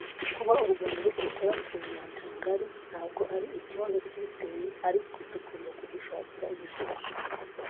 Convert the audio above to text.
Kuba u Rwanda rudakora ku nyanja ngari ntabwo ari ikibazo twiteye ariko tugomba kugishakira igisubizo”